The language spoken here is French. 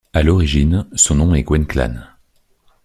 À l'origine, son nom est Gwenc'hlan.